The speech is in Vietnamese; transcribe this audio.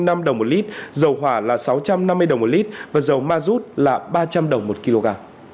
giá sáu trăm linh năm đồng một lít dầu hỏa là sáu trăm năm mươi đồng một lít và dầu ma rút là ba trăm linh đồng một kg